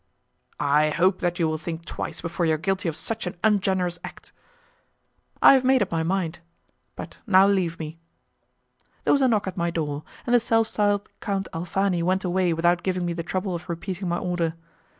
"I hope that you will think twice before you are guilty of such an ungenerous act." "I have made up my mind; but now leave me." There was a knock at my door, and the self styled Count Alfani went away without giving me the trouble of repeating my order.